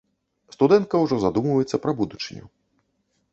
Студэнтка ўжо задумваецца пра будучыню.